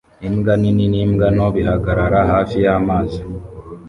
Imbwa nini n'imbwa nto bihagarara hafi yamazi